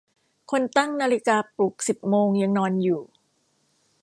คนตั้งนาฬิกาปลุกสิบโมงยังนอนอยู่